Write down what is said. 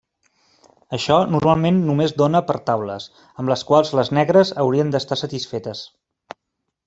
Això normalment només dóna per taules, amb les quals les negres haurien d'estar satisfetes.